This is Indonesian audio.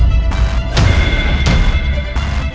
saya kesana sekarang